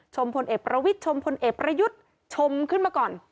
พลเอกประวิทย์ชมพลเอกประยุทธ์ชมขึ้นมาก่อน